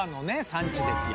産地ですよ。